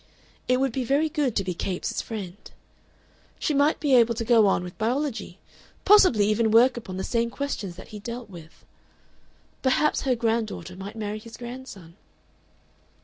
It would be very good to be Capes' friend. She might be able to go on with biology, possibly even work upon the same questions that he dealt with.... Perhaps her granddaughter might marry his grandson....